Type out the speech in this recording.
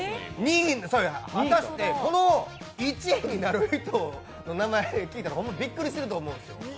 この１位になる人の名前聞いたらびっくりすると思うんですよ。